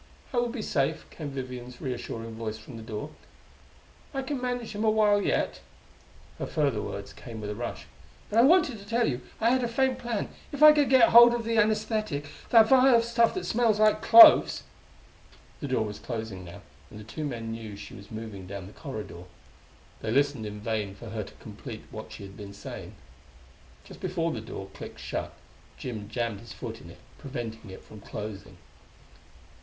"I will be safe," came Vivian's reassuring voice from the door. "I can manage him a while yet." Her further words came with a rush. "But I wanted to tell you I had a faint plan. If I could get hold of the anaesthetic the vial of stuff that smells like cloves " The door was closing now, and the two men knew she was moving down the corridor. They listened in vain for her to complete what she had been saying. Just before the door clicked shut, Jim jammed his foot in it, preventing it from closing.